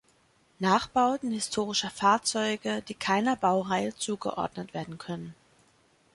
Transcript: Nachbauten historischer Fahrzeuge, die keiner Baureihe zugeordnet werden können.